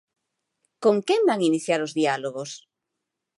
¿Con quen van iniciar os diálogos?